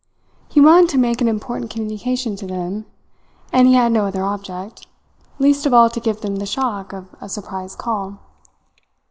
He wanted to make an important communication to them, and he had no other object least of all to give them the shock of a surprise call.